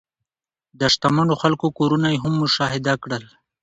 د شتمنو خلکو کورونه یې هم مشاهده کړل.